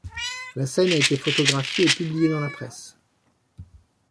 La scène a été photographiée et publiée dans la presse.